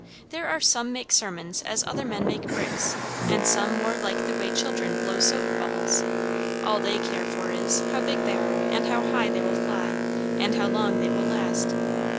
There are some make sermons as other men make bricks; and some more like the way children blow soap bubbles; all they care for is, how big they are, and how high they will fly, and how long they will last.